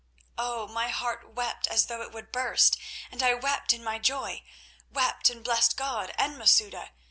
"Oh! my heart wept as though it would burst, and I wept in my joy—wept and blessed God and Masouda.